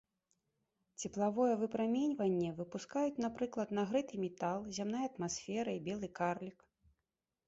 Цеплавое выпраменьванне выпускаюць, напрыклад, нагрэты метал, зямная атмасфера і белы карлік.